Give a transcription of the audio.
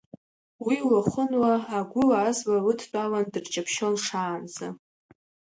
Уи уахынла агәыла-азла лыдтәалан дырҷаԥшьон шаанӡа.